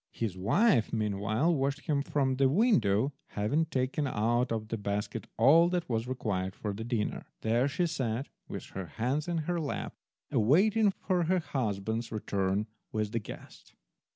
His wife meanwhile watched him from the window, having taken out of the basket all that was required for the dinner. There she sat, with her hands in her lap, awaiting her husband's return with the guest.